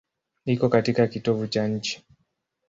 Iko katika kitovu cha nchi.